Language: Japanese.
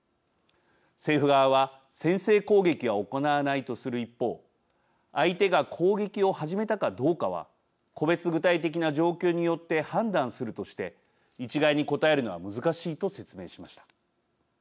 政府側は先制攻撃は行わないとする一方相手が攻撃を始めたかどうかは個別具体的な状況によって判断するとして一概に答えるのは難しいと説明しました。